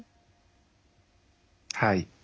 はい。